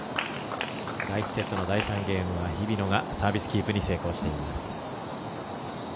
第１セットの第３ゲーム日比野がサービスキープに成功しています。